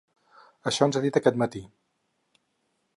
Això ens ha dit aquest matí.